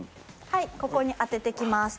はいここに当てていきます